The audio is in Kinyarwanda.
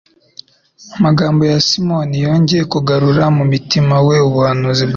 Amagambo ya Simiyoni yongera kugarura mu mutima we ubuhanuzi bwa Yesaya